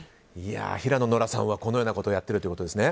平野ノラさんはこのようなことをやっているということですね。